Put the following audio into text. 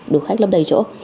đủ khách lấp đầy chỗ